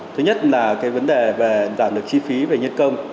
thứ nhất là cái vấn đề về giảm được chi phí về nhân công